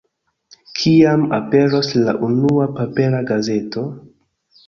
Kiam aperos la unua papera gazeto?